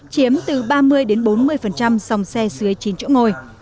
chiếm từ ba mươi bốn mươi dòng xe dưới chín chỗ ngồi